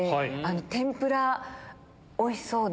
天ぷらおいしそうで。